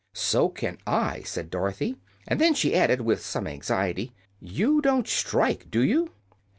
"So can I," said Dorothy. And then she added, with some anxiety: "You don't strike, do you?"